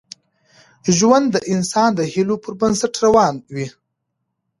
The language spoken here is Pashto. ژوند د انسان د هیلو پر بنسټ روان وي.